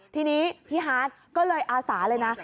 ทีนี้พี่ฮาร์ดก็เลยอาสาเลยนะ